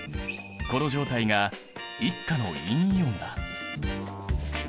この状態が１価の陰イオンだ。